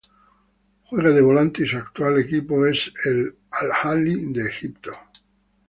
Juega de volante y su actual equipo es el Al-Ahly de Egipto.